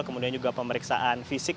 kemudian juga pemeriksaan fisik